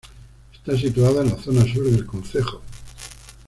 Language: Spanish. Está situada en la zona sur del concejo.